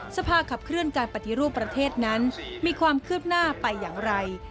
สภาขับเคลื่อนการปฏิรูปประเทศนั้นมีความคืบหน้าไปอย่างไร